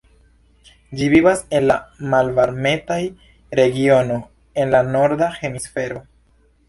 Ĝi vivas en la malvarmetaj regionoj en la norda hemisfero.